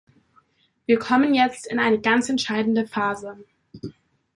Wir kommen jetzt in eine ganz entscheidende Phase.